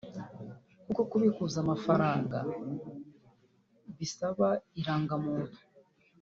kuko kubikuza amafaranga bisaba irangamuntu